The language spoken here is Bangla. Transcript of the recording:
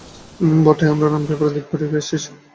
বটে, আমরা রাম পেপার দ্বীপ পেরিয়ে এসেছি।